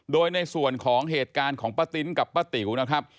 โดยในส่วนของเหตุการณ์ของป้าติ๊นกับป้าติ๋วนะครับ